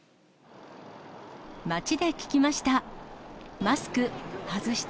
街で聞きました。